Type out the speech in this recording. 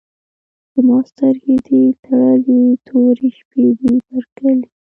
زما سترګې دي تړلي، تورې شپې دي پر کرلي